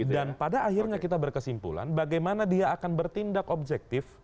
dan pada akhirnya kita berkesimpulan bagaimana dia akan bertindak objektif